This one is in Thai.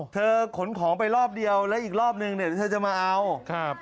เธอขนของไปรอบเดียวแล้วอีกรอบหนึ่งเนี่ยเธอจะมาเอา